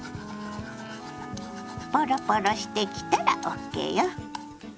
ポロポロしてきたらＯＫよ。